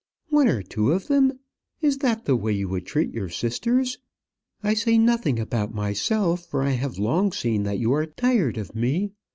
"One or two of them! Is that the way you would treat your sisters? I say nothing about myself, for I have long seen that you are tired of me.